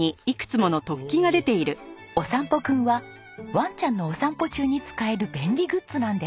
お散歩くんはワンちゃんのお散歩中に使える便利グッズなんです。